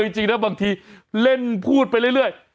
จริงนะบางทีเล่นพูดไปเรื่อย